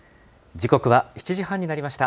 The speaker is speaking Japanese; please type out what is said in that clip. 時刻は７時半になりました。